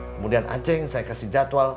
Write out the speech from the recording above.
kemudian anceng saya kasih jadwal